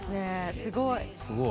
すごい。